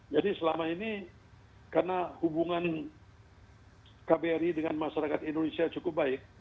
jadi selama ini karena hubungan kbri dengan masyarakat indonesia cukup baik